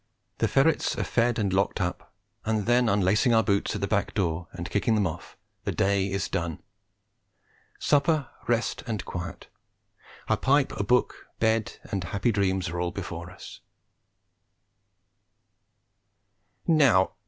The ferrets are fed and locked up, and then, unlacing our boots at the back door and kicking them off, the day is done. Supper, rest and quiet, a pipe, a book, bed and happy dreams are all before us.